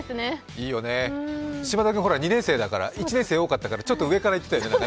いいよね、島田君、２年生だから１年生多かったから上からいっていたよね。